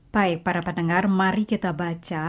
baik para pendengar mari kita baca